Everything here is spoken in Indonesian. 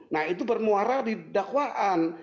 nah itu bermuara di dakwaan